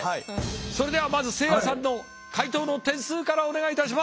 それではまずせいやさんの解答の点数からお願いいたします！